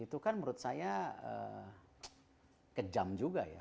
itu kan menurut saya kejam juga ya